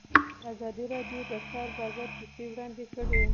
ازادي راډیو د د کار بازار کیسې وړاندې کړي.